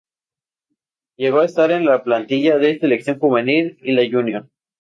Llegó a estar en la plantilla de la selección juvenil y la junior.